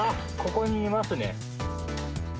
ここにいますね。